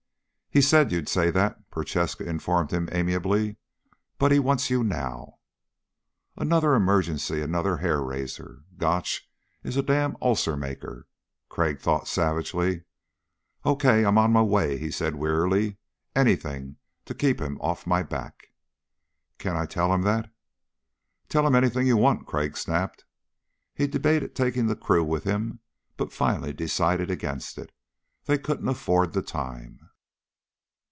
"He said you'd say that," Prochaska informed him amiably, "but he wants you now." Another emergency another hair raiser. Gotch is a damn ulcer maker, Crag thought savagely. "Okay, I'm on my way," he said wearily. "Anything to keep him off my back." "Can I tell him that?" "Tell him anything you want," Crag snapped. He debated taking the crew with him but finally decided against it. They couldn't afford the time.